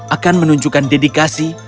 akan menunjukkan dedikasi